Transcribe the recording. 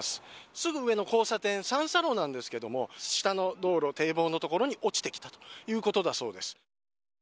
すぐ上の交差点三差路なんですけれども下の道路、堤防のところに落ちてきたということだそうです。